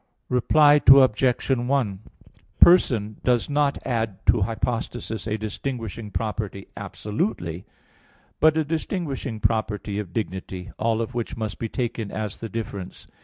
Reply Obj. 1: Person does not add to hypostasis a distinguishing property absolutely, but a distinguishing property of dignity, all of which must be taken as the difference.